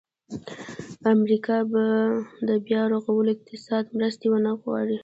امریکا به د بیا رغولو اقتصادي مرستې وغواړي.